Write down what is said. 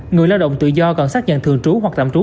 người lao động tự do còn xác nhận thường trú hoặc tạm trú